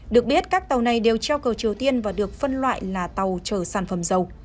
được biết các tàu này đều treo cầu triều tiên và được phân loại là tàu chở sản phẩm dầu